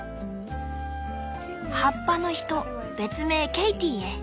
「葉っぱの人別名ケイティへ」。